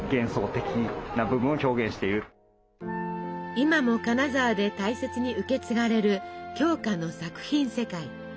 今も金沢で大切に受け継がれる鏡花の作品世界。